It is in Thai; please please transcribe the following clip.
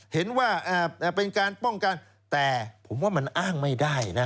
เห็นว่าเป็นการป้องกันแต่ผมว่ามันอ้างไม่ได้นะ